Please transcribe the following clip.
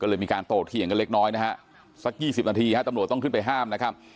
ก็เลยมีการโตเถียงกันเล็กน้อยนะฮะสัก๒๐นาทีฮะตำรวจต้องขึ้นไปห้ามนะครับ